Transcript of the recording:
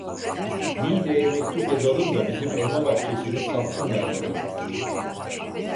Niğde'ye mektup yazalım da bizim elma bahçesini satsınlar bakalım.